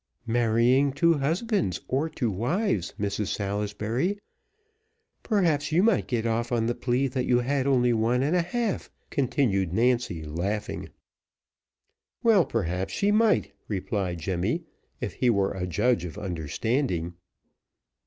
"Marrying two husbands or two wives, Mrs Salisbury. Perhaps you might get off on the plea that you had only one and a half," continued Nancy, laughing. "Well, perhaps she might," replied Jemmy, "if he were a judge of understanding."